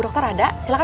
maksudnya jemput aku